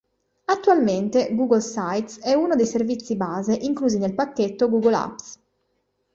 Attualmente Google Sites è uno dei servizi base inclusi nel pacchetto Google Apps.